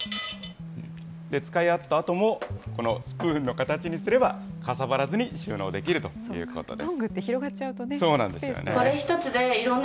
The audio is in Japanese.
使い終わったあとも、このスプーンの形にすれば、かさばらずに収納できるということです。